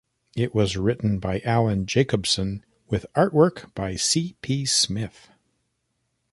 It was written by Allan Jacobsen with artwork by C. P. Smith.